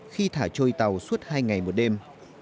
khi thả trôi tàu suốt hai ngày một đêm